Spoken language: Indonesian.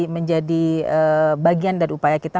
menjadi bagian dari upaya kita